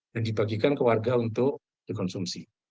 yang dibagikan ke warga untuk dikonsumsi